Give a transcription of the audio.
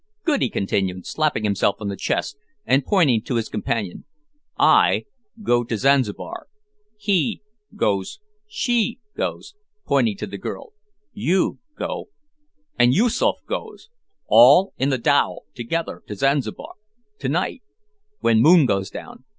"Good," he continued, slapping himself on the chest, and pointing to his companion, "I go to Zanzibar, he goes, she goes," (pointing to the girl), "you go, and Yoosoof goes all in the dhow together to Zanzibar to night when moon goes down.